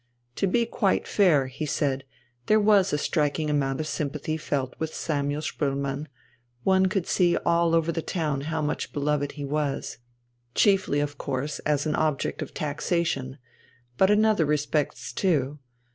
To be quite fair, he said, there was a striking amount of sympathy felt with Samuel Spoelmann, one could see all over the town how much beloved he was. Chiefly of course as an object of taxation, but in other respects too.